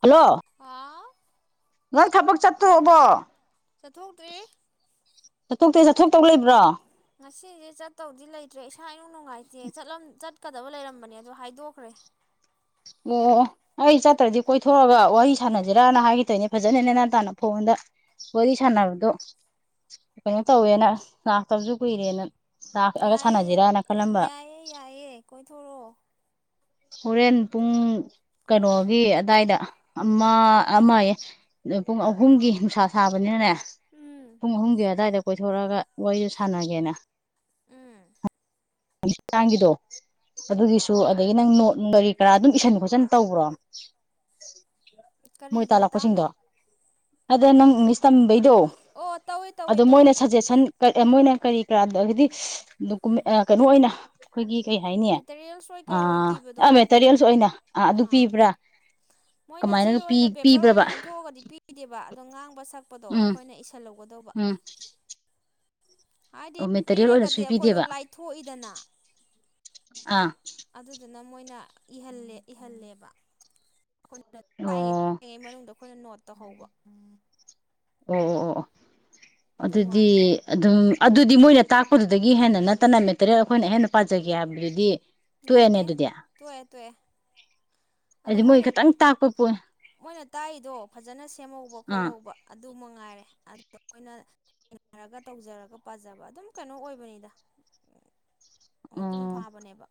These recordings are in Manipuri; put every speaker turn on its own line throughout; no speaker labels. ꯍꯜꯂꯣ
ꯍꯥꯎ
ꯉꯪ ꯊꯄꯣꯛ ꯆ ꯍꯕꯣ
ꯆꯠꯊꯣꯛꯇ꯭ꯔꯑꯦ
ꯑꯇꯧ ꯂꯩꯕ꯭ꯔꯣ
ꯉꯁꯤꯁꯦ ꯆꯠꯇꯧꯗꯤ ꯂꯩꯇ꯭ꯔꯦ ꯏꯁꯥ ꯏ ꯅꯨꯡꯉꯥꯏꯇꯦ ꯆꯠꯂꯝ ꯆꯠ ꯆꯠꯀꯗꯕ ꯂꯩꯔꯝꯕꯅꯦ ꯑꯗꯣ ꯍꯥꯏꯗꯣꯛꯈ꯭ꯔꯦ
ꯑꯣ ꯑꯩ ꯆꯠꯇ꯭ꯔꯗꯤ ꯀꯣꯏꯊꯣꯛꯒ ꯋꯥꯔꯤ ꯁꯥꯟꯅꯁꯤꯔꯅ ꯍꯥꯏꯈꯤꯗꯣꯏꯅꯦ ꯐꯖꯅ ꯅꯦꯅꯥꯟ ꯇꯥꯅ ꯐꯣꯟꯗ ꯋꯥꯔꯤ ꯁꯥꯟꯅꯕꯗꯣ ꯀꯩꯅꯣ ꯇꯧꯋꯦꯅ ꯂꯥꯛꯇꯕꯁꯨ ꯀꯨꯏꯔꯦꯅ ꯂꯥꯛꯑꯒ
ꯌꯥꯏꯌꯦ
ꯁꯥꯟꯅꯁꯤꯔꯅ ꯈꯜꯂꯝꯕ
ꯌꯥꯏꯌꯦ ꯌꯥꯏꯌꯦ ꯀꯣꯏꯊꯣꯔꯛꯑꯣ
ꯍꯣꯔꯦꯟ ꯄꯨꯡ ꯀꯩꯅꯣꯒꯤ ꯑꯗꯥꯏꯗ ꯑꯃ ꯑꯃ ꯄꯨꯡ ꯑꯍꯨꯝꯒꯤ ꯅꯨꯡꯁꯥ ꯁꯥꯕꯅꯤꯅꯅꯦ
ꯎꯝ
ꯄꯨꯡ ꯑꯍꯨꯝꯒꯤ ꯑꯋꯥꯏꯗ ꯀꯣꯏꯊꯣꯔꯛꯑꯒ ꯋꯥꯔꯤꯗꯨꯣ ꯁꯥꯟꯅꯒꯦꯅ
ꯎꯝ
ꯇꯥꯡꯒꯤꯗꯣ ꯑꯗꯨꯒꯤꯁꯨ
ꯎꯝ
ꯑꯗꯒꯤ ꯅꯪ ꯈꯔ ꯑꯗꯨꯝ ꯏꯁꯤꯟ ꯈꯣꯠꯆꯟ ꯇꯧꯕ꯭ꯔꯣ ꯃꯣꯏ
ꯀꯔꯤꯒꯤ ꯃꯇꯥꯡꯅꯣ
ꯇꯥꯜꯂꯛꯄꯁꯤꯡꯗꯣ ꯑꯗ ꯅꯪ ꯑꯦꯡꯂꯤꯁ ꯇꯥꯝꯕ ꯗꯣ
ꯑꯣ ꯇꯧꯋꯦ ꯇꯧꯋꯦ ꯇꯧꯋꯦ
ꯃꯣꯏꯅ ꯁꯖꯦꯁꯟ
ꯎꯝ
ꯃꯣꯏꯅ ꯀꯔꯤ ꯍꯥꯏꯗꯤ ꯀꯩꯅꯣ ꯑꯣꯏꯅ ꯑꯩꯈꯣꯏꯒꯤ ꯀꯩ ꯍꯥꯏꯅꯤ
ꯃꯦꯇꯔꯤꯌꯦꯜꯁ ꯑꯣꯏ ꯀꯩ ꯑꯣꯏ
ꯑꯥ ꯑ
ꯄꯤꯕꯗꯣ
ꯃꯦꯇꯔꯤꯌꯦꯜꯁꯨ ꯑꯣꯏꯅ ꯑꯥ ꯑꯗꯨ ꯄꯤꯕ꯭ꯔꯥ ꯀꯃꯥꯏꯅ
ꯍꯣꯏ ꯑꯣꯏꯅ ꯄꯦꯄꯔ ꯑꯣꯏꯅ
ꯄꯤꯕ꯭ꯔꯕ
ꯅꯝꯊꯣꯛꯑꯒꯗꯤ ꯄꯤꯗꯦꯕ ꯑꯗꯣ ꯉꯥꯡꯕꯁ ꯁꯛꯄꯗꯣ
ꯎꯝ
ꯑꯩꯈꯣꯏꯅ ꯏꯁꯜꯍ
ꯎꯝ
ꯍꯥꯏꯗꯤ
ꯑꯣ ꯃꯦꯇꯔꯤꯌꯦꯜ
ꯄꯤꯔꯒꯗꯤ
ꯑꯣꯏꯅꯁꯨ
ꯑꯩꯈꯣꯏꯗꯣ
ꯄꯤꯗꯦꯕ
ꯂꯥꯏꯊꯣꯛꯏꯗꯅ
ꯑ
ꯑꯗꯨꯗꯨꯅ ꯃꯣꯏꯅꯍꯜꯂꯦ ꯏꯍꯜꯂꯦꯕ ꯑꯩꯈꯣꯏꯅ ꯇꯥꯛꯏꯉꯤ
ꯑꯣ
ꯇꯥꯛꯏꯉꯩ ꯃꯅꯨꯡꯗ ꯑꯩꯈꯣꯏꯅ ꯅꯣꯠ ꯇꯧꯍꯧꯕ ꯎꯝ
ꯑꯣ ꯑꯣ ꯑꯣ
ꯑꯗꯨꯏ
ꯑꯗꯨꯗꯤ
ꯋꯥꯅꯤꯗ
ꯑꯗꯨꯝ ꯑꯗꯨꯗꯤ ꯃꯣꯏꯅ ꯇꯥꯛꯄꯗꯨꯗꯒꯤ ꯍꯦꯟꯅ ꯅꯠꯇꯅ ꯃꯦꯇꯔꯤꯌꯦꯜ ꯑꯩꯈꯣꯏꯅ ꯍꯦꯟꯅ ꯄꯥꯖꯒꯦ ꯍꯥꯏꯕꯗꯨꯗꯤ
[unintelligible]
ꯇꯣꯛꯑꯦꯅꯦ ꯑꯗꯨꯗꯤ
[unintelligible] ꯑꯗꯣ
ꯍꯥꯏꯗꯤ ꯃꯣꯏ
ꯃꯣꯏꯅ
ꯈꯤꯇꯪ ꯇꯥꯛꯄ ꯄꯣꯏ
ꯃꯣꯏꯅ ꯇꯥꯛꯏꯗꯣ ꯐꯖꯅ ꯁꯦꯝꯍꯧꯕ
ꯑꯥ
ꯈꯣꯠꯍꯧꯕ ꯑꯗꯨ ꯃꯉꯥꯏꯔꯦ ꯑꯣꯏꯅ ꯅꯩꯅꯔꯒ ꯇꯧꯖꯔꯒ ꯄꯥꯖꯕ ꯑꯗꯨꯝ ꯀꯩꯅꯣ ꯑꯣꯏꯕꯅꯤꯗ ꯃꯄꯨꯡ
ꯑꯣ
ꯐꯥꯕꯅꯦꯕ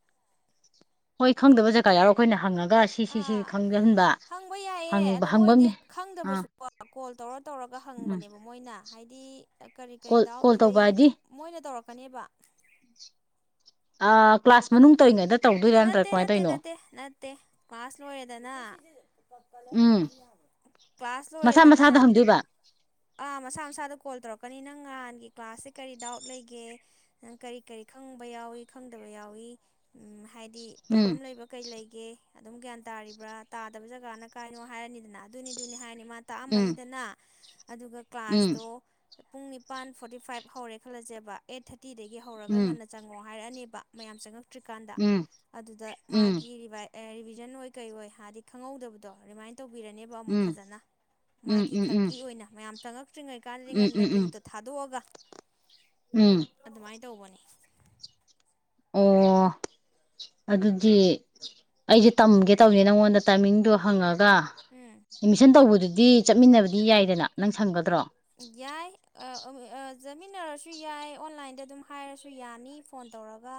ꯍꯣꯏ ꯈꯪꯕ ꯖꯒꯥ ꯌꯥꯎꯔ ꯑꯩꯈꯣꯏꯅ ꯍꯪꯉꯒ ꯁꯤ ꯁꯤ ꯁꯤ
ꯑꯥ
ꯈꯪꯖꯍꯟꯕ
ꯍꯪꯕ ꯌꯥꯏꯌꯦ
ꯍꯪꯕ
ꯑꯗꯣ ꯃꯣꯏꯗꯤ
ꯍꯪꯐꯝꯅꯤ ꯑꯥ
ꯈꯪꯗꯕꯁꯨꯀꯣ ꯀꯣꯜ ꯇꯧꯔ ꯇꯧꯔꯒ
ꯎꯝ
ꯍꯪꯕꯅꯦꯕ ꯃꯣꯏꯅ ꯍꯥꯏꯗꯤ ꯀꯔꯤ ꯀꯔꯤ
ꯀꯣꯜ
ꯗꯥꯎꯠ
ꯀꯣꯜ ꯇꯧꯕ
ꯂꯩ
ꯍꯥꯏꯗꯤ
ꯃꯣꯏꯅ ꯇꯧꯔꯛꯀꯅꯦꯕ
ꯑ ꯀ꯭ꯂꯥꯁ ꯃꯅꯨꯡ ꯇꯧꯔꯤꯉꯩꯗ ꯇꯧꯗꯣꯏꯔꯥ ꯅꯠꯇ꯭ꯔꯥ
ꯅꯠꯇꯦ
ꯀꯃꯥꯏꯅ
ꯅꯠꯇꯦ
ꯇꯧꯔꯤꯅꯣ
ꯅꯠꯇꯦ ꯅꯠꯇꯦ ꯀ꯭ꯂꯥꯁ ꯂꯣꯏꯔꯦꯗꯅ
ꯎꯝ
ꯀ꯭ꯂꯥꯁ
ꯃꯁꯥ
ꯂꯧꯔꯦꯗꯅ
ꯃꯁꯥꯗ ꯍꯪꯗꯣꯏꯕ
ꯑ ꯃꯁꯥ ꯃꯁꯥꯗ ꯀꯣꯜ ꯇꯧꯔꯛꯀꯅꯤ ꯅꯪ ꯅꯍꯥꯟꯒꯤ ꯀ꯭ꯂꯥꯁꯁꯦ ꯀꯔꯤ ꯗꯥꯎꯠ ꯂꯩꯒꯦ ꯅꯪ ꯀꯔꯤ ꯀꯔꯤ ꯈꯪꯕ ꯌꯥꯎꯏ ꯈꯪꯗꯕ ꯌꯥꯎꯏ ꯍꯥꯏꯗꯤ
ꯎꯝ
ꯄ꯭ꯔꯣꯕ꯭ꯂꯦꯝ ꯂꯩꯕ ꯀꯩ ꯂꯩꯒꯦ ꯑꯗꯨꯝ ꯒ꯭ꯌꯥꯟ ꯇꯥꯔꯤꯕ꯭ꯔꯥ ꯇꯥꯗꯕ ꯖꯒꯥꯟ ꯀꯥꯏꯅꯣ ꯍꯥꯏꯔꯅꯤꯗꯅ ꯑꯗꯨꯅꯤꯗꯨꯅꯦ ꯍꯥꯏꯅꯤ ꯃꯥ
ꯎꯝ
ꯇꯥꯛꯑꯝꯃꯅꯤꯗꯅ ꯑꯗꯨꯒ
ꯎꯝ
ꯀ꯭ꯂꯥꯁꯇꯣ ꯄꯨꯡ ꯅꯤꯄꯥꯟ ꯐꯣꯔꯇꯤ ꯐꯥꯏꯚ ꯍꯧꯔꯦ ꯈꯜꯂꯁꯦꯕ ꯑꯩꯠ ꯊꯥꯔꯇꯤ ꯇ ꯇꯤꯗꯒꯤ ꯍꯧꯔꯒ
ꯎꯝ
ꯉꯟꯅ ꯆꯪꯉꯣ ꯍꯥꯏꯔꯛꯑꯅꯦꯕ ꯃꯌꯥꯝ ꯆꯪꯉꯛ ꯐꯠꯇ꯭ꯔꯤꯀꯥꯟꯗ
ꯎꯝ
ꯑꯗꯨꯗ
ꯎꯝ
ꯃꯥꯒꯤ ꯔꯤꯚꯥꯏ ꯑꯦ ꯔꯤꯚꯤꯖꯟ ꯑꯣꯏ ꯀꯔꯤ ꯑꯣꯏ ꯍꯥꯏꯗꯤ ꯈꯪꯍꯧꯗꯕꯗꯣ ꯔꯤꯃꯥꯏꯟꯧ ꯇꯧꯕꯤꯔꯅꯦꯕ ꯑꯃꯨꯛ
ꯎꯝ
ꯐꯖꯅ
ꯎꯝ ꯎꯝ
ꯃꯥꯒꯤ
ꯎꯝ
ꯈꯛꯀꯤ ꯑꯣꯏꯅ ꯌꯥꯝꯇꯪꯉꯛ ꯊꯣꯛꯇ꯭ꯔꯤꯉꯩ ꯀꯥꯟꯗꯤ
ꯎꯝ ꯎꯝ
ꯉꯟꯅ
ꯎꯝ
ꯂꯤꯡꯇꯣ ꯊꯥꯗꯣꯛꯑꯒ
ꯎꯝ
ꯑꯗꯨꯃꯥꯏꯅ ꯇꯧꯕꯅꯤ
ꯑꯣ ꯑꯗꯨꯗꯤ ꯑꯩꯁꯦ ꯇꯝꯒꯦ ꯇꯧꯅꯤ ꯅꯪꯉꯣꯟꯗ ꯇꯥꯏꯃꯤꯡꯗꯣ ꯍꯪꯉꯒ
ꯎꯝ
ꯑꯦꯠꯃꯤꯁꯟ ꯇꯧꯕꯗꯨꯗꯤ ꯗꯤ ꯆꯠꯃꯤꯟꯅꯕꯗꯤ ꯌꯥꯏꯗꯅ ꯅꯪ ꯁꯪꯒꯗ꯭ꯔꯣ
ꯌꯥꯏ ꯑ ꯆꯠꯃꯤꯟꯅꯔꯁꯨ ꯌꯥꯏ ꯑꯣꯟꯂꯥꯏꯟꯗ ꯑꯗꯨꯝ ꯍꯥꯏꯔꯁꯨ ꯌꯥꯅꯤ ꯐꯣꯟ ꯇꯧꯔꯒ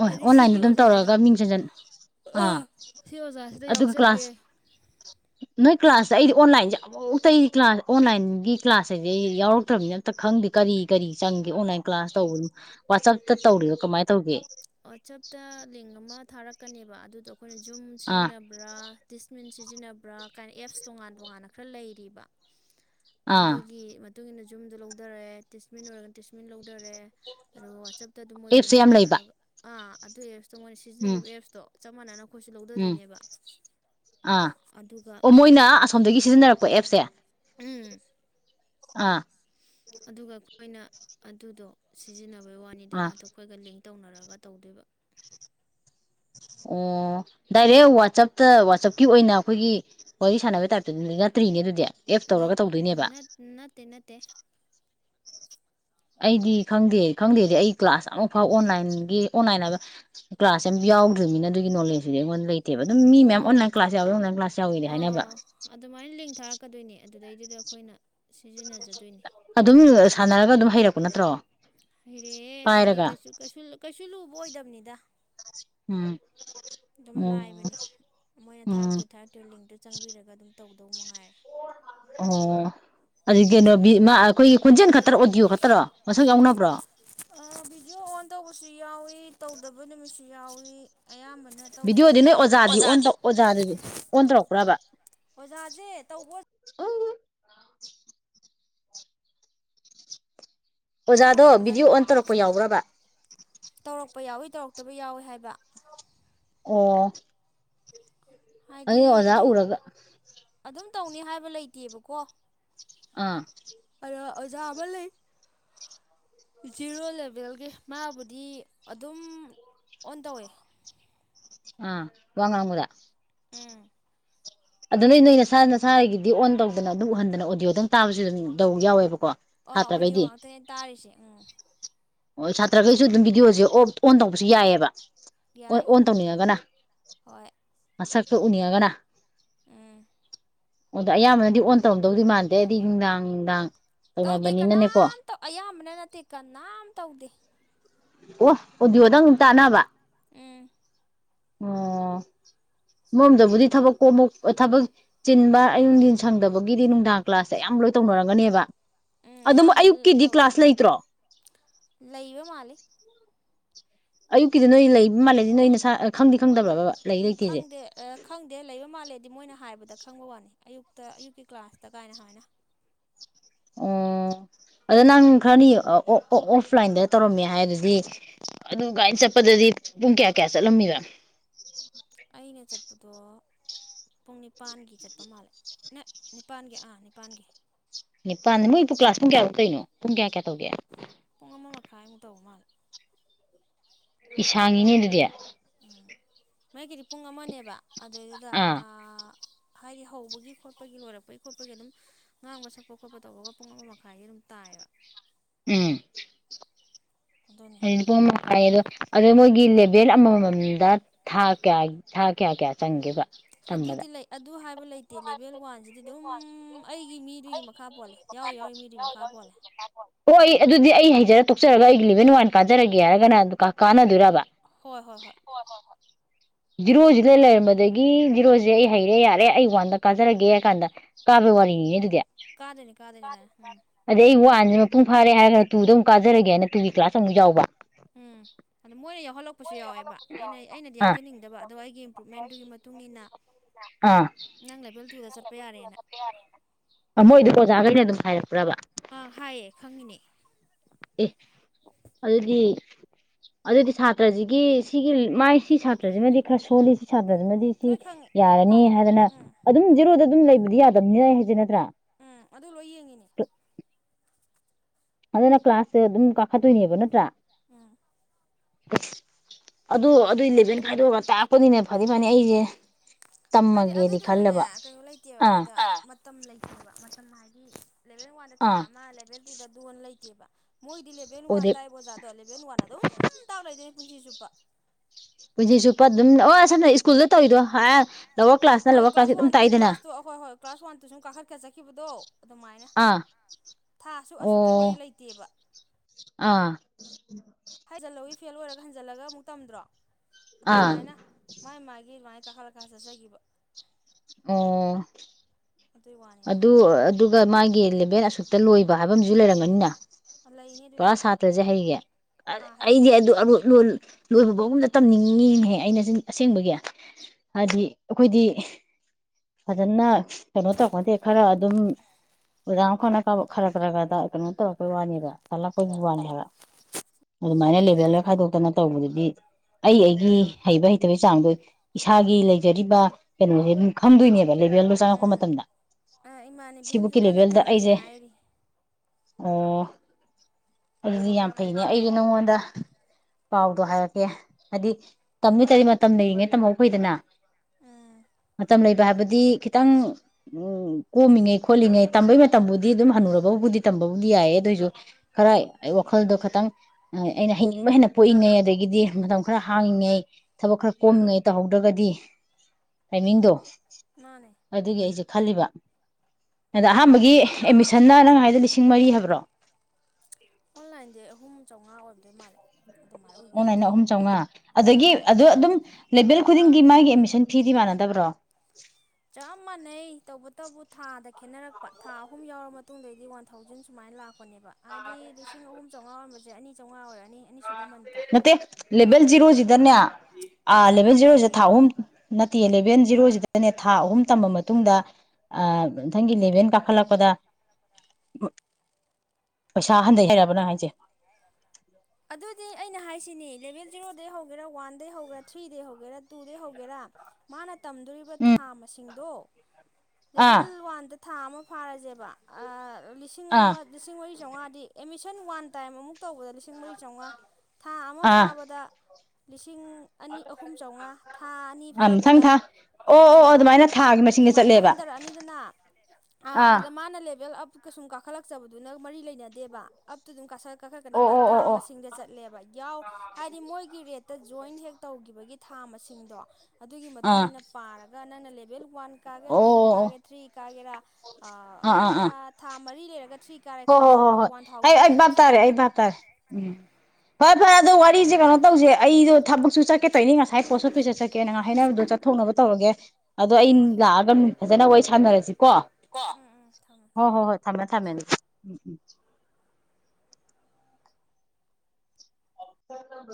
ꯍꯣꯏ
ꯍꯥꯏꯗꯤ
ꯑꯣꯟꯂꯥꯏꯟꯗ
ꯁꯤꯒꯤ
ꯑꯗꯨꯝ
ꯑꯣꯖꯥꯁꯤꯗ
ꯇꯧꯔꯒ ꯃꯤꯡ ꯆꯟꯖꯟ ꯑꯥ
ꯁꯤ ꯑꯣꯖꯥꯁꯤꯗ
ꯑꯗꯨꯒ ꯀ꯭ꯂꯥꯁ
ꯌꯥꯎꯖꯒꯦ
ꯅꯣꯏ ꯀ꯭ꯂꯥꯁꯇ ꯑꯩꯗꯤ ꯑꯣꯟꯂꯥꯏꯟꯁꯦ ꯑꯃꯨꯛꯇ ꯑꯩ ꯀ꯭ꯂꯥꯁ ꯑꯣꯟꯂꯥꯏꯟꯒꯤ ꯀ꯭ꯂꯥꯁ ꯍꯥꯏꯗꯤꯦ ꯑꯩ ꯌꯥꯎꯔꯛꯇ꯭ꯔꯕꯅꯤꯅ ꯑꯝꯇ ꯈꯪꯗꯦ ꯀꯔꯤ ꯀꯔꯤ ꯆꯪꯒꯦ ꯑꯣꯟꯂꯥꯏꯟ ꯀ꯭ꯂꯥꯁ ꯇꯧꯕ ꯋꯥꯆꯞꯇ ꯇꯧꯔꯤꯔꯤꯕ ꯀꯃꯥꯏꯅ ꯇꯧꯒꯦ
ꯑꯆꯕꯇ ꯂ ꯂꯤꯃ ꯊꯥꯔꯛꯀꯅꯦꯕ ꯑꯗꯨꯗꯣ ꯑꯩꯈꯣꯏꯅ ꯖꯨꯝ
ꯑꯥ
ꯁꯤꯖꯤꯟꯅꯕ꯭ꯔꯥ ꯇꯦꯁꯃꯤꯟ ꯁꯤꯖꯤꯟꯅꯕ꯭ꯔꯥ ꯀꯥꯏꯅ ꯑꯦꯞꯁ ꯇꯣꯉꯥꯟ ꯇꯣꯉꯥꯟꯅ ꯈꯔ ꯂꯩꯔꯤꯕ
ꯑꯥ
ꯑꯗꯨꯒꯤ ꯃꯇꯨꯡ ꯏꯟꯅ ꯖꯨꯝꯗꯣ ꯂꯧꯊꯔꯛꯦ ꯇꯦꯁꯃꯤꯟ ꯑꯣꯏꯔꯒꯅ ꯇꯦꯁꯃꯤꯟ ꯂꯧꯊꯔꯦ ꯑꯗꯨꯒ ꯋꯥꯆꯞ ꯛꯇ ꯑꯗꯨꯝ ꯃꯣꯏ
ꯑꯦꯞꯁꯦ
ꯂꯦꯡꯇꯣ
ꯌꯥꯝ ꯂꯩꯕ
ꯊꯥꯔꯛꯑꯒ ꯑ ꯑ ꯑꯗꯨ ꯇꯣ ꯃꯣꯏꯅ
ꯎꯝ
ꯁꯤꯖꯤꯟꯅꯔꯤꯕ ꯑꯦꯞꯁꯇꯣ ꯆꯃꯅꯣ
ꯎꯝ ꯑꯥ
ꯑꯗꯨꯒ
ꯑꯣ ꯃꯣꯏꯅ ꯑꯁꯣꯝꯗꯒꯤ ꯁꯤꯖꯤꯟꯅꯔꯛꯄ ꯑꯦꯞꯁꯦ
ꯎꯝ
ꯑꯥ
ꯑꯗꯨꯒ ꯑꯩꯣꯏꯅ ꯑꯗꯨꯗꯣ ꯁꯤꯖꯤꯟꯅꯕ ꯣꯏ ꯋꯥꯅꯤꯗ
ꯑꯥ
ꯑꯗꯣ ꯑꯩꯈꯣꯏꯒ ꯂꯤꯡ ꯇꯧꯅꯔꯒ ꯇꯧꯗꯣꯏꯕ
ꯑꯣ ꯗꯥꯏꯔꯦꯛ ꯋꯥꯆꯞꯇ ꯋꯥꯆꯞꯀꯤ ꯑꯣꯏꯅ ꯑꯩꯈꯣꯏꯒꯤ ꯋꯥꯔꯤ ꯁꯥꯟꯅꯕ ꯇꯥꯏꯞꯇ ꯅꯠꯇ꯭ꯔꯤꯅꯦ ꯑꯗꯨꯗꯤ ꯑꯦꯞ ꯇꯧꯔꯒ ꯇꯧꯗꯣꯏꯅꯦꯕ
ꯅꯠꯇꯦ ꯅꯠꯇ
ꯑꯩꯗꯤ ꯈꯪꯗꯦ ꯈꯪꯗꯦꯗꯤ ꯑꯩ ꯀ꯭ꯂꯥꯁ ꯑꯃ ꯐꯥꯎ ꯑꯣꯟꯂꯥꯏꯟꯒꯤ ꯑꯣꯟꯂꯥꯏꯟ ꯍꯥꯏꯕ ꯀ꯭ꯂꯥꯁ ꯑꯃ ꯌꯥꯎꯗ꯭ꯔꯤꯕꯅꯤꯅ ꯑꯗꯨꯒꯤ ꯅꯣꯂꯦꯖꯇꯨꯗꯤ ꯑꯩꯉꯣꯟꯗ ꯂꯩꯇꯦ ꯐꯠꯇꯦꯕ ꯑꯗꯨꯝ ꯃꯤ
ꯑꯣ
ꯃꯌꯥꯝ
ꯍꯣ
ꯑꯣꯟꯂꯥꯏꯟ ꯀ꯭ꯂꯥꯁ ꯌꯥꯎꯋꯤ ꯑꯣꯟꯂꯥꯏꯟ ꯀ꯭ꯂꯥꯁ ꯌꯥꯎꯋꯅꯦ ꯍꯥꯏꯅꯕ
ꯑꯥ ꯑꯗꯨꯃꯥꯏꯅ ꯂꯤꯡ ꯊꯥꯔꯛꯀꯗꯣꯏꯅꯦ ꯑꯗꯨꯗꯩꯗꯨꯗ ꯑꯩꯈꯣꯏꯅ ꯁꯤꯖꯤꯟꯅꯖꯗꯣꯏꯅꯤ
ꯑꯗꯨꯝ ꯁꯥꯟꯅꯔꯒ ꯑꯗꯨꯝ ꯍꯩꯔꯛꯄ ꯅꯠꯇ꯭ꯔꯣ
ꯍꯩꯔꯦ ꯑꯗꯨꯗꯤ
ꯄꯥꯏꯔꯒ
ꯀꯩ ꯀꯩꯁꯨ ꯂꯨ ꯀꯣꯏꯗꯕꯅꯤꯗ
ꯎꯝ
ꯑꯗꯨꯝ
ꯎꯝ
ꯂꯥꯏꯕꯅꯦ ꯃꯣꯏꯅ
ꯎꯝ
ꯊꯥꯔꯛꯇꯨ ꯊꯥꯔꯛꯇꯨ ꯂꯤꯡꯇꯣ ꯆꯪꯕꯤꯔꯒ ꯑꯗꯨꯝ ꯇꯧꯗꯧ ꯃꯉꯥꯏ
ꯑꯣ ꯑꯗꯨ ꯀꯩꯅꯣ ꯃꯥ ꯑꯩꯈꯣꯏꯒꯤ ꯀꯣꯟꯖꯦꯜ ꯈꯛꯇꯔ ꯑꯣꯗꯤꯌꯣ ꯈꯛꯇꯔꯣ ꯃꯁꯛ ꯌꯥꯎꯅꯕ꯭ꯔꯣ
ꯚꯤꯗꯤꯑꯣ ꯑꯣꯟ ꯇꯧꯕꯁꯨ ꯌꯥꯎꯏꯤ ꯇꯧꯗꯕ ꯅꯨꯃꯤꯠꯁꯨ ꯌꯥꯎꯏꯤ ꯑꯌꯥꯝꯕꯅ ꯇꯧꯗꯦ
ꯚꯤꯗꯤꯑꯣꯗꯤ ꯅꯣꯏ ꯑꯣꯖꯥꯗꯤ ꯑꯣꯟ ꯑꯣꯖꯥꯗꯗꯤ ꯑꯣꯟ ꯇꯧꯔꯛꯄ꯭ꯔꯕ
ꯑꯣꯖꯥꯁꯦ ꯇ
ꯎꯝ ꯑꯣꯖꯥꯗꯣ ꯚꯤꯗꯤꯑꯣ ꯑꯣꯟ ꯇꯧꯔꯛꯄ ꯌꯥꯎꯕ꯭ꯔꯕ
ꯇꯧꯔꯛꯄ ꯌꯥꯎꯋꯤ ꯇꯧꯔ ꯇꯧꯔꯛꯇꯕ ꯌꯥꯎꯋꯦ ꯍꯥꯏꯕ
ꯑꯣ ꯑꯩ
ꯍꯥꯏꯗꯤ
ꯑꯣꯖꯥ
ꯑꯗꯨꯝ
ꯎꯔꯒ
ꯑꯗꯨꯝ ꯇꯧꯅꯤ ꯍꯥꯏꯕ ꯂꯩꯇꯦꯕꯀꯣ
ꯑꯥ
ꯑꯗꯣ ꯑꯣꯖꯥ ꯑꯃ ꯂꯩ ꯖꯤꯔꯣ ꯂꯦꯚꯦꯜꯒꯤ ꯃꯥꯕꯨꯗꯤ ꯑꯗꯨꯝ ꯑꯣꯟ ꯇꯧꯋꯦ
ꯑꯥ ꯋꯥꯉꯥꯡꯃꯗ
ꯎꯝ
ꯑꯗꯨ ꯅꯣꯏ ꯅꯣꯏ ꯅꯁꯥ ꯅꯁꯥꯔꯒꯤꯗꯤ ꯑꯣꯟ ꯇꯧꯗꯅ ꯑꯗꯨꯝ ꯎꯍꯟꯗꯅ ꯑꯣꯗꯤꯑꯣꯗꯪ ꯇꯥꯕꯁꯨ ꯑꯗꯨꯝꯧ ꯌꯥꯎꯋꯦꯕꯀꯣ
ꯑ ꯑꯣꯗꯤ ꯑꯣ
ꯁꯥꯇ꯭ꯔꯈꯩꯗꯤ
ꯉꯥꯛꯇꯅꯦ ꯇꯥꯔꯤꯁꯦ ꯎꯝ
ꯍꯣꯏ ꯁꯥꯇ꯭ꯔꯈꯩꯁꯨ ꯑꯗꯨꯝ ꯚꯤꯗꯤꯑꯣꯁꯦ ꯑꯣꯐ ꯑꯣꯟ ꯇꯧꯕꯁꯨ ꯌꯥꯏꯑꯕ ꯑꯣ
ꯌꯥꯏ
ꯑꯣꯟ ꯇꯧꯅꯤꯡꯉꯒꯅ
ꯍꯣꯏ
ꯃꯁꯛꯁꯨ ꯎꯅꯤꯉꯒꯅ
ꯎꯝ
ꯑꯣꯗ ꯑꯌꯥꯝꯕꯅꯗꯤ ꯑꯣꯟ ꯇꯧꯔꯝꯗꯧꯗꯤ ꯃꯥꯟꯗꯦ ꯑꯩꯗꯤ ꯅꯨꯡꯗꯥꯡ ꯅꯨꯡꯗꯥꯡ
ꯇꯧꯗꯦ
ꯇꯧꯅꯕꯅꯤꯅꯅꯦꯀꯣ
ꯀꯅꯥꯝ ꯑꯌꯥꯝꯕꯅ ꯅꯠꯇꯦ ꯀꯅꯥꯝ ꯇꯧꯗꯦ
ꯑꯣ ꯑꯣꯗꯤꯌꫭꯗꯪ ꯇꯥꯟꯅꯕ
ꯎꯝ
ꯑꯣ ꯃꯣꯏꯔꫭꯝꯗꯕꯨꯗꯤ ꯊꯕꯛꯀꯣꯃꯨꯛ ꯑꯣ ꯊꯕꯛ ꯆꯤꯟꯕ ꯑꯌꯨꯊꯤꯟ ꯁꯪꯗꯕꯒꯤꯗꯤ ꯅꯨꯡꯗꯥꯡ ꯀ꯭ꯂꯥꯁꯁꯦ ꯑꯌꯥꯝ ꯂꯣꯏ ꯇꯧꯅꯔꯒꯅꯦꯕ
ꯎꯝ
ꯑꯗꯨꯝ
ꯑꯌꯥꯝꯕꯅ
ꯑꯌꯨꯛꯀꯤꯗꯤ
ꯇꯧꯋꯦ
ꯀ꯭ꯂꯥꯁ ꯂꯩꯇ꯭ꯔꯣ
ꯂꯩꯕ ꯃꯥꯂꯤ
ꯑꯌꯨꯛꯀꯤꯗ ꯅꯣꯏ ꯂꯩꯕ ꯃꯥꯜꯂꯦꯗꯤ ꯅꯣꯏ ꯅꯁꯥ ꯈꯪꯗꯤ ꯈꯪꯗꯕ꯭ꯔꯕ ꯂꯩ ꯂꯩꯇꯦꯁꯦ
ꯈꯪꯗꯦ ꯈꯪꯗꯦ ꯂꯩꯕ ꯃꯥꯜꯂꯦ ꯑꯗꯨ ꯃꯣꯏꯅ ꯍꯥꯏꯕꯗ ꯈꯪꯕ ꯋꯥꯅꯤ ꯑꯌꯨꯛꯇ ꯑꯌꯨꯛꯀꯤ ꯀ꯭ꯂꯥꯁꯇ ꯀꯥꯏꯅ ꯍꯥꯏꯅ
ꯑꯣ ꯑꯗ ꯅꯪ ꯈꯔꯅꯤ ꯑꯣꯐꯂꯥꯏꯟꯗ ꯇꯧꯔꯝꯃꯦ ꯍꯥꯏꯗꯨꯗꯤ ꯑꯗꯨ ꯀꯥꯏꯅ ꯆꯠꯄꯗꯗꯤ ꯄꯨꯡ ꯀꯌꯥ ꯀꯌꯥ ꯆꯠꯂꯝꯃꯤꯕ
ꯑꯩꯅ ꯆꯠꯄꯗꯣ ꯄꯨꯡ ꯅꯤꯄꯥꯥꯟꯒꯤ ꯆꯠꯄ ꯃꯥꯜꯂꯦ ꯅ ꯅꯤꯄꯥꯥꯟꯒꯤ ꯑꯥ ꯅꯤꯄꯥꯥꯟꯒꯤ
ꯅꯤꯄꯥꯟꯗ ꯃꯣꯏꯕꯨꯨꯡ ꯀ꯭ꯂꯥꯁ ꯄꯨꯡ ꯀꯌꯥꯃꯨꯛ ꯀꯩꯅꯣ ꯄꯨꯡ ꯀꯌꯥ ꯀꯌꯥ ꯇꯧꯒꯦ
ꯄꯨꯡ ꯑꯃ ꯃꯈꯥꯏꯨ ꯇꯧꯃꯜ
ꯏꯁꯥꯡꯉꯤꯅꯦ ꯑꯗꯨꯗꯤ
ꯃꯒꯤꯗꯤ ꯄꯨꯡ ꯑꯃꯅꯦ ꯑꯗꯨꯗꯗ
ꯑꯥ
ꯑ ꯍꯥꯏꯗꯤ ꯍꯧꯕꯒꯤ ꯈꯣꯠꯄꯒꯤ ꯂꯣꯏꯔꯛꯄꯒꯤ ꯈꯣꯠꯄꯒꯤ ꯑꯗꯨꯝ ꯉꯥꯡꯕ ꯁꯛꯄ ꯈꯣꯠꯄ ꯇꯧꯕꯒ ꯄꯨꯡ ꯑꯃ ꯃꯈꯥꯏꯗꯤ ꯑꯗꯨꯝ ꯇꯥꯏꯑꯕ
ꯎꯝ
ꯑꯗꯨꯅꯤ
ꯍꯥꯏꯗꯤꯗꯣ ꯑꯗꯣ ꯃꯣꯏꯒꯤ ꯂꯦꯚꯦꯜ ꯑꯃꯃꯝꯗ ꯊꯥ ꯀꯌꯥ ꯊꯥ ꯀꯌꯥ ꯀꯌꯥ ꯆꯪꯒꯦꯕ ꯇꯝꯕꯗ
ꯑꯗꯨꯗꯤ ꯂꯩ ꯑꯗꯨ ꯍꯥꯏꯕ ꯂꯩꯇꯦ ꯂꯦꯚꯦꯜ ꯋꯥꯟꯁꯤꯗꯤ ꯑꯗꯨꯝ ꯑꯩꯒꯤ ꯃꯤꯗꯨꯒꯤ ꯃꯈꯥ ꯄꯣꯜꯂꯦ ꯌꯥꯎꯔꯤ ꯌꯥꯎꯔꯤ ꯃꯤꯗꯨꯒꯤ ꯃꯈꯥ ꯄꯣꯜꯂꯦ
ꯑꯣ ꯑꯩ ꯑꯗꯨꯗꯤ ꯑꯩ ꯍꯩꯖꯔ ꯇꯣꯛꯆꯔꯒ ꯑꯩꯒꯤ ꯂꯕꯦꯟ ꯋꯥꯟ ꯄꯖꯔꯒꯤ ꯍꯥꯏꯒꯅ ꯑꯗꯨ ꯀ ꯀꯥꯅꯗꯨꯔꯕ
ꯍꯣꯏ ꯍꯣꯏ ꯍꯣꯏ
ꯖꯤꯔꯣꯁꯤꯗ ꯂꯩꯔꯝꯕꯗꯒꯤ ꯖꯤꯔꯣꯁꯦ ꯑꯩ ꯍꯩꯔꯦ ꯌꯥꯔꯦ ꯑꯩ ꯋꯥꯟꯗ ꯀꯥꯖꯔꯒꯦ ꯍꯥꯏ ꯀꯥꯟꯗ ꯀꯥꯕꯩ ꯋꯥꯔꯤꯅꯤꯅꯦ ꯑꯗꯨꯗꯤ
ꯀꯥꯗꯣꯏꯅꯤ ꯀꯥꯗꯣꯏꯅꯤ ꯑꯗꯥꯏꯅ ꯎꯝ
ꯑꯗ ꯑꯩ ꯋꯥꯅꯤ ꯃꯄꯨꯡ ꯐꯥꯔꯦ ꯍꯥꯏꯔꯒ ꯇꯨꯗ ꯑꯃꯨꯛ ꯀꯥꯔꯒꯦꯅ ꯇꯨꯒꯤ ꯀ꯭ꯂꯥꯁ ꯁꯛ ꯌꯥꯎꯕ
ꯎꯝ ꯑꯗ ꯃꯣꯏꯅ ꯌꯥꯎꯍꯜꯂꯛꯄ ꯀꯄꯁꯨ ꯌꯥꯎꯋꯦꯕ ꯑꯩꯅ ꯑꯩꯅꯗꯤ
ꯑꯥ
ꯌꯥꯎꯖꯅꯤꯡꯗꯕ ꯑꯗꯣ ꯑꯩꯒꯤ ꯏꯝꯄ꯭ꯔꯨꯕꯃꯦꯟꯗꯨꯒꯤ ꯃꯇꯨꯡ ꯏꯟꯅ ꯅꯪ ꯂꯩ ꯐ ꯊꯒ ꯆ
ꯄꯨ ꯀꯊꯦꯅꯤ ꯃꯣꯏꯗ ꯑꯣꯖꯥꯒꯅꯦ ꯑꯗꯨꯝ ꯍꯥꯏꯔꯛꯄ꯭ꯔꯕ
ꯑꯥ ꯍꯥꯏꯌꯦ ꯈꯪꯉꯤꯅꯦ
ꯑꯦ ꯑꯗꯨꯗꯤ ꯑꯗꯨꯗꯤ ꯁꯥꯇ꯭ꯔꯁꯤꯒꯤ ꯁꯤꯒꯤ ꯃꯥꯏ ꯁꯤ ꯁꯥꯇ꯭ꯔꯁꯤꯃꯗꯤ ꯈꯔ ꯁꯣꯜꯂꯤ ꯁꯥꯇ꯭ꯔꯗꯨꯅꯗꯤ ꯁꯤ
ꯂꯣꯏ ꯈꯪꯉꯤ
ꯌꯥꯔꯅꯤ
ꯎꯝ
ꯍꯥꯏꯗꯅ
ꯎꯝ
ꯑꯗꯨꯝ ꯖꯤꯔꯣꯗ ꯑꯗꯨꯝ ꯂꯩꯕꯗꯤ ꯌꯥꯗꯕꯅꯤꯅ ꯑꯩ ꯍꯥꯏꯖꯅ
ꯎꯝ ꯑꯗꯨ ꯂꯣꯏ ꯌꯦꯡꯉꯤꯅꯦ
ꯑꯗꯨꯅ ꯀ꯭ꯂꯥꯁꯁꯦ ꯑꯗꯨꯝ ꯀꯥꯈꯠꯇꯣꯏꯅꯦꯕ ꯅꯠꯇ꯭ꯔꯥ
ꯎꯝ
ꯑꯗꯨ ꯑꯗꯨ ꯏꯂꯦꯚꯦꯟ ꯈꯥꯏꯗꯣꯛꯑꯒ ꯇꯥꯛꯄꯅꯤꯅꯦ ꯐꯅꯤ ꯐꯅꯤ ꯑꯩꯁꯦ
ꯍꯥꯏꯗꯤ
ꯇꯝꯃꯒꯦꯗꯤ
ꯑꯗꯨꯗꯨꯅꯅꯦ
ꯈꯜꯂꯕ
ꯀꯩꯅꯣ ꯂꯩꯇꯦꯕ
ꯑꯥ
ꯃꯣꯏꯗ ꯃꯇꯝ ꯂꯩꯇꯦꯕ ꯃꯇꯝ ꯍꯥꯏꯗꯤ ꯂꯦꯚꯦꯜ ꯋꯥꯟꯗ ꯊꯥ
ꯑꯥ
ꯑꯃ ꯂꯦꯚꯦꯜ ꯇꯨꯗ ꯗꯣꯟꯅ ꯂꯩꯇꯦꯕ ꯃꯣꯏ ꯏꯗꯤ ꯂꯂꯚꯦꯟ ꯋꯥꯟ
ꯑꯣꯗꯤ
ꯇꯥꯏꯕꯖꯗ ꯏꯂꯚꯦꯟ ꯋꯥꯟꯅ ꯑꯗꯨꯝ ꯀꯇꯥꯎ ꯂꯩꯗꯣꯏꯅꯦ ꯄꯨꯟꯁꯤ ꯆꯨꯞꯄ
ꯄꯨꯖꯤꯁꯨꯄ ꯁꯝꯅ ꯁ꯭ꯀꯨꯜꯗ ꯇꯧꯋꯔꯤꯗꯣ ꯍꯥꯏ ꯂꯋꯥꯔ ꯀ꯭ꯂꯥꯁꯅ
ꯍꯣꯏ
ꯂꯋꯥꯔ ꯀ꯭ꯂꯥꯁꯁ
ꯀ꯭ꯂꯥꯁ
ꯑꯗꯨꯝ ꯇꯥꯏꯗꯅ
ꯀꯖꯠꯈꯤꯕꯗꯣ ꯑꯗꯨꯃꯥꯏꯅ ꯊꯥ ꯑꯁꯨꯛ ꯑꯁꯨꯛꯀꯤ ꯋꯥꯔꯤ
ꯑꯣ
ꯂꯩꯇꯦꯕ
ꯑꯥ
ꯍꯥꯏ ꯆꯂꯣ ꯐꯦꯜ ꯑꯣꯏꯔꯒ ꯍꯟꯖꯤꯜꯂꯒ ꯑꯃꯨꯛ ꯇꯝꯗ꯭ꯔꯣ
ꯑꯥ
ꯑꯗꯨꯃꯥꯏꯅ ꯃꯥꯥꯏ ꯃꯥꯒꯤ ꯑꯗꯨꯃꯥꯏꯅ ꯀꯥꯈꯥ ꯀꯀꯥ ꯆꯠꯆꯈꯤꯕ
ꯑꯣ
ꯑꯗꯨꯏ ꯋꯥꯅꯤꯗ
ꯑꯗꯨ ꯑꯗꯨ ꯃꯥꯒꯤ ꯂꯦꯚꯦꯟ ꯑꯁꯨꯛꯇ ꯂꯣꯏꯕ ꯍꯥꯏꯕ ꯑꯃꯁꯨ ꯂꯩꯔꯝꯒꯅꯤꯅ
ꯂꯩꯅꯤ ꯑꯗꯨꯗꯤ
ꯄꯨꯔꯥ ꯁꯥꯇ꯭ꯔꯁꯦ ꯍꯩꯒꯦ
ꯑꯥ ꯍꯩꯔꯦ ꯍꯥꯏꯕꯗꯣ
ꯑꯩꯗꯤꯣꯏ ꯕꯒꯨꯝꯗ ꯇꯝꯅꯤꯡꯉꯤꯅꯦꯍ ꯑꯩꯅ ꯑꯁꯦꯡꯕꯒꯤ ꯍꯥꯏꯗꯤ ꯑꯩꯈꯣꯏꯗꯤ ꯐꯖꯅ ꯍꯅꯣ ꯇ ꯈꯔ ꯑꯗꯨꯝ ꯑꯣꯖꯥꯈꯣꯠꯅ ꯀꯥ ꯈꯔꯛ ꯈ꯭ꯔꯒꯗ ꯀꯩꯅꯣ ꯇꯧꯔꯛꯄꯩ ꯋꯥꯅꯤꯗ ꯆꯂ ꯑꯩꯣꯏꯒꯤ ꯋꯥꯅꯤ ꯍꯥꯏꯔ ꯑꯗꯨꯃꯥꯏꯅ ꯂꯦꯚꯦꯜꯗ ꯈꯥꯏꯗꯣꯛꯇꯅ ꯇꯧꯕꯗꯨꯗꯤ ꯑꯩ ꯑꯩꯒꯤ ꯍꯩꯕ ꯍꯩꯇꯕꯩ ꯆꯥꯡꯗꯣ ꯏꯁꯥꯒꯤ ꯂꯩꯖꯔꯤꯕ ꯀꯩꯅꯣꯁꯦ ꯑꯗꯨꯝ ꯈꯪꯗꯣꯏꯅꯦꯕ ꯂꯩꯕꯦꯜꯂꯣ ꯆꯪꯉꯛꯄ ꯃꯇꯝꯗ
ꯑ ꯏꯃꯥꯟꯅꯕꯤ ꯑꯃꯁꯨ
ꯁꯤꯕꯨꯛꯀꯤ
ꯀꯟꯅ
ꯂꯦꯚꯦꯜꯗ
ꯇꯝꯒꯦ
ꯑꯩꯁꯦ
ꯍꯥꯏꯔꯤ
ꯑꯣ ꯑꯗꯨꯗꯤ ꯌꯥꯝ ꯐꯩꯅꯦ ꯑꯩꯁ ꯅꯉꯣꯟꯗ ꯄꯥꯎꯗꯣ ꯍꯥꯏꯔꯛꯀꯦ ꯍꯥꯏꯗꯤ ꯇꯝꯃꯤ ꯇꯔꯤ ꯃꯇꯝꯅ ꯌꯦꯡꯉꯦ ꯇꯝꯍꯧ ꯐꯩꯗꯅ ꯑ
ꯎꯝ
ꯃꯇꯝꯝ ꯂꯩꯕꯥꯏꯕ ꯗꯤ ꯈꯤꯇꯪ ꯎꯝ ꯀꯣꯝꯃꯤꯉꯩ ꯈꯣꯠꯂꯤꯉꯩ ꯇꯝꯕꯩ ꯃꯇꯝꯕꯨꯗꯤ ꯑꯗꯨꯝ ꯍꯟꯅꯨꯔꯕꯕꯨꯗꯤ ꯇꯝꯕꯕꯨꯗꯤ ꯌꯥꯏꯌꯦ ꯑꯗꯨꯑꯣꯏꯁꯨ ꯈꯔ ꯋꯥꯈꯜꯗꯣ ꯈꯤꯇꯪ ꯑꯩꯅ ꯍꯩꯅꯤꯡꯕ ꯍꯦꯟꯅ ꯄꯣꯛꯏꯉꯩ ꯑꯗꯒꯤꯗꯤ ꯃꯇꯝ ꯈꯔ ꯍꯥꯡꯏꯤꯉꯩ ꯊꯕꯛ ꯈꯔ ꯀꯣꯝꯃꯤꯉꯩ ꯇꯧꯍꯧꯗ꯭ꯔꯒꯗꯤ ꯇꯥꯏꯃꯤꯡꯗꯣ
ꯃꯥꯅꯦ
ꯑꯗꯨꯗꯒꯤꯖ ꯈꯜꯂꯤꯕ ꯑꯗ
ꯃꯥꯅꯦ ꯃꯥꯅꯦ
ꯑꯍꯥꯟꯕꯒꯤ ꯑꯦꯗꯃꯤꯁꯟꯟꯅ ꯅꯪ ꯍꯥꯏꯗꯅꯤꯡꯁꯤꯡ ꯂꯤꯁꯤꯡ ꯃꯔꯤ ꯍꯥꯏꯕ꯭ꯔꯣ
ꯑꯣꯟꯂꯥꯏꯟꯗꯤ ꯑꯍꯨꯝ ꯆꯥꯝꯃꯉꯥ ꯑꯣꯏꯔꯝꯗꯣꯏ ꯃꯥꯜꯂꯦ ꯑꯗꯨꯃꯥꯏꯅ
ꯑꯣ
ꯑꯣꯏꯕꯒꯨꯝ
ꯑꯥꯏꯅ ꯑꯍꯨꯝ
ꯇꯧꯅꯤ
ꯆꯥꯝꯃꯉꯥ ꯑꯗꯒꯤ ꯑꯗꯨ ꯑꯗꯨꯝ ꯂꯦꯕꯦꯜ ꯈꯨꯗꯤꯡꯒꯤ ꯃꯥꯒꯤ ꯑꯦꯗꯃꯤꯁꯟ ꯐꯤꯗꯤ ꯃꯥꯟꯅꯗꯕ꯭ꯔꯣ
ꯆꯞ ꯃꯥꯟꯅꯩ ꯇꯧꯕꯇꯕꯨ ꯊꯥꯗ ꯈꯦꯠꯅꯔꯛꯄ ꯊꯥ ꯑꯍꯨꯝ ꯌꯥꯎꯔ ꯃꯇꯨꯡꯗꯩꯗꯤ ꯋꯥꯟ ꯊꯥꯎꯖꯟ ꯁꯨꯃꯥꯏꯅ ꯂꯥꯛꯄ ꯄꯅꯦꯕ ꯍꯥꯏꯗꯤ ꯂꯤꯁꯤꯡ ꯑꯍꯨꯝ ꯆꯥꯝꯃꯉꯥ ꯑꯣꯏꯣꯟꯕꯁꯦ ꯑꯅꯤ ꯆꯣꯡꯉ ꯑꯣꯏꯔꯦ
ꯃꯦ ꯂꯦꯕꯦꯜ ꯖꯖꯤꯔꯣ ꯅꯌꯥ ꯑꯥ
ꯆꯞ
ꯑꯦꯂꯚꯦꯟ ꯖꯤꯦꯔꯣꯁꯦ
ꯃꯥꯟꯅꯩꯌꯦ
ꯊꯥ ꯑꯍꯨꯝ ꯅꯠꯇꯦ ꯑꯦꯂꯚꯦꯟ ꯖꯤꯔꯣꯁꯤꯗꯅꯦ ꯊꯥ ꯑꯍꯨꯝ ꯇꯝꯃ ꯃꯇꯨꯡꯗ ꯃꯊꯪꯒꯤ ꯏꯂꯦꯚꯦꯟ ꯀꯥꯈꯠꯂꯛꯄꯗ ꯄꯩꯁꯥ ꯍꯟꯊꯩ ꯍꯩꯔꯕꯅ ꯍꯥꯏꯁꯦ
ꯑꯗꯨꯗꯤ ꯑꯩꯅ ꯍꯥꯏꯁꯤꯅꯤ ꯂꯦꯚꯦꯜ ꯖꯦꯔꯣꯗꯩ ꯍꯧꯒꯦꯔꯥ ꯋꯥꯟꯗꯩ ꯍꯧꯒꯦꯔꯥ ꯊ꯭ꯔꯤꯗꯩ ꯍꯧꯒꯦꯔꯥ ꯇꯨꯗꯒꯤꯩ ꯍꯧꯒꯦꯔꯥ ꯃꯥꯅ ꯇꯝꯗꯣꯔꯤꯕ
ꯎꯝ
ꯊꯥ ꯃꯁꯤꯡꯗꯣ
ꯑꯥ
ꯔꯕꯜ ꯋꯥꯗ ꯊꯥ ꯑꯃ ꯐꯥꯔꯁꯦꯕ ꯂꯤꯁꯤꯡ
ꯑꯥ
ꯑꯃ ꯂꯤꯁꯤꯡ ꯃꯔꯤ ꯆꯥꯝꯃꯉꯥꯗꯤ ꯑꯦꯠꯃꯤꯁꯟ ꯋꯥꯟ ꯇꯥꯏꯝ ꯑꯃꯨꯛ ꯇꯧꯕꯗ ꯂꯤꯁꯤꯡ ꯃꯔꯤ ꯆꯧꯉ ꯊꯥ ꯑꯃ
ꯑꯥ
ꯐꯥꯕꯗ [unintelligible] ꯂꯤꯁꯤꯡ ꯑꯅꯤ ꯑꯍꯨꯝ ꯆꯥꯝꯃꯉꯥ ꯊꯥ ꯑꯅꯤ
ꯑꯥ ꯃꯊꯪ
ꯐꯥꯔꯛꯄꯗ
ꯊꯥ ꯑꯣ
ꯑꯃ
ꯑꯣ ꯑꯣ
ꯆꯥꯝꯃꯉꯥ
ꯑꯗꯨꯃꯥꯏꯅ ꯊꯥꯒꯤ ꯃꯁꯤꯡꯗ
ꯁꯨꯃꯥꯏꯅ
ꯆꯠꯂꯦꯕ
ꯍꯟꯊꯔꯛꯑꯅꯤꯗꯨꯅ
ꯑꯥ
ꯑꯗꯨꯗ ꯃꯥꯅ ꯂꯦꯚꯦꯜ ꯑꯞ ꯞꯀ ꯁꯨꯝ ꯀꯥꯈꯠꯂꯛꯆꯕꯗꯨꯅ ꯃꯔꯤ ꯂꯩꯅꯗꯦꯕ ꯑꯞꯇꯨ ꯑꯗꯨꯝ
ꯑꯣ
ꯀꯥꯈꯠꯛꯀꯅꯦꯕ
ꯑꯣ
ꯊꯥ
ꯑꯣ
ꯑꯃ
ꯑꯣ
ꯁꯤꯡꯗ ꯆꯠꯂꯦꯕ ꯌꯥꯎ ꯍꯥꯏꯗꯤ ꯃꯣꯏꯒꯤ ꯔꯦꯠ ꯇ ꯖꯣꯏꯟ ꯍꯦꯛ ꯇꯧꯈꯤꯕꯒꯤ ꯊꯥ ꯃꯁꯤꯡꯗꯣ ꯑꯗꯨꯒꯤ ꯃꯇꯨꯡ
ꯑꯥ
ꯃꯇꯨꯡꯏꯟꯅ ꯄꯥꯔꯒ ꯅꯪꯅ ꯂꯦꯕꯦꯜ ꯋꯥꯟ ꯀꯥꯒꯦꯔꯥ
ꯑꯣ
ꯇꯨ
ꯑꯣ ꯑꯣ
ꯀꯥꯒꯦ ꯊ꯭ꯔꯤ ꯀꯥꯒꯦꯔꯥ
ꯑꯥ ꯑꯥ
ꯅꯪꯅ
ꯑꯥ
ꯊ ꯃꯔꯤꯂꯔꯒ
ꯍꯣ ꯍꯣ ꯍꯣ ꯍꯣꯏ ꯑꯩ ꯑꯩꯕꯕ ꯇꯥꯔꯦ
ꯊꯤꯔꯅꯦꯕ
ꯑꯩ ꯥꯞ ꯇꯥꯔꯦ ꯎꯝ ꯐꯔꯦ ꯐꯔꯦ ꯑꯗꯣ ꯋꯥꯔꯤꯁꯦ ꯀꯩꯅꯣ ꯇꯧꯁꯦ ꯑꯩꯗꯣ ꯊꯕꯛꯁꯨ ꯆꯠꯀꯦ ꯇꯧꯅꯤ ꯉꯁꯥꯏ ꯄꯣꯁ ꯑꯣꯐꯤꯁ ꯆ ꯆꯠꯀꯦꯅꯪ ꯍꯥꯏꯅꯕꯗꯣ ꯆꯠꯊꯣꯛꯅꯕ ꯇꯧꯔꯒꯦ ꯑꯗꯣ ꯑꯩ
ꯍꯣꯏ ꯍꯣꯏ ꯍꯣꯏ
ꯂꯥꯛꯑꯒꯝ ꯐꯖꯅ ꯋꯥꯔꯤ ꯁꯥꯟꯅꯔꯁꯦ ꯀꯣ
ꯀꯣ ꯎꯝ ꯎꯝ ꯊꯝꯃꯣ
ꯍꯣ
ꯊꯝꯃꯣ
ꯍꯣ ꯍꯣꯏ ꯊꯝꯃꯦ ꯊꯝꯃꯦ ꯎꯝꯝ ꯑꯣꯔ